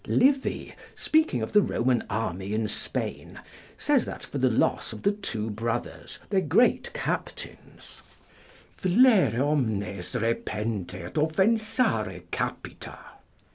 Livy, speaking of the Roman army in Spain, says that for the loss of the two brothers, their great captains: "Flere omnes repente, et offensare capita."